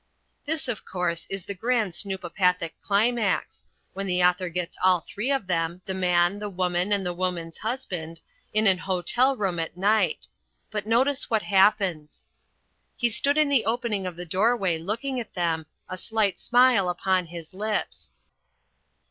This, of course, is the grand snoopopathic climax, when the author gets all three of them The Man, The Woman, and The Woman's Husband in an hotel room at night. But notice what happens. He stood in the opening of the doorway looking at them, a slight smile upon his lips.